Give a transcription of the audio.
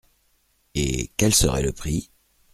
Et… quel serait le prix ?